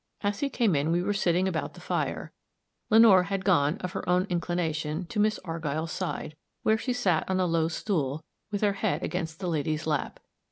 As he came in we were sitting about the fire. Lenore had gone, of her own inclination, to Miss Argyll's side, where she sat on a low stool, with her head against the lady's lap.